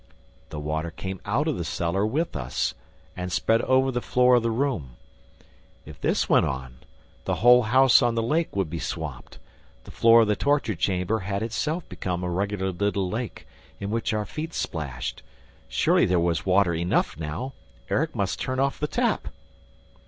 The water came out of the cellar with us and spread over the floor of the room. If, this went on, the whole house on the lake would be swamped. The floor of the torture chamber had itself become a regular little lake, in which our feet splashed. Surely there was water enough now! Erik must turn off the tap!